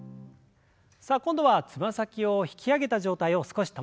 さあ今度はつま先を引き上げた状態を少し保ちます。